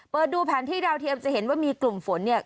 เปิดดูแผนที่ดาวเทียมจะเห็นว่ามีกลุ่มฝนเนี่ย